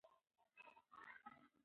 هېڅ کس د جګړې په منځ کې خوندي نه دی.